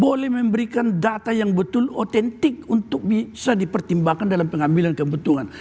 boleh memberikan data yang betul otentik untuk bisa dipertimbangkan dalam pengambilan kebutuhan